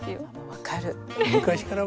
分かる。